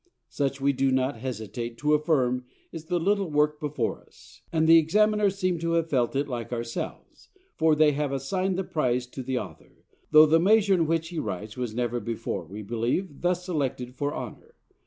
Such, we do not hesitate to affirm, is the little work before us; and the examiners seem to have felt it like ourselves, for they have assigned the prize to the author, though the measure in which he writes was never before, we believe, thus selected for honour.